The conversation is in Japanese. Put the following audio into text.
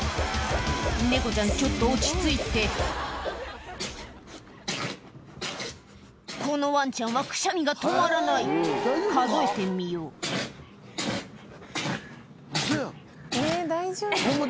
猫ちゃんちょっと落ち着いてこのワンちゃんはくしゃみが止まらない数えてみようウソやんホンマ